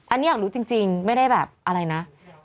อันนี้อยากรู้จริงไม่ได้แบบอะไรนะ